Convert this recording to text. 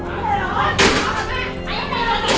ไม่ทำเพราะอะไร